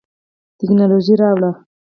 تکنالوژي راوړو.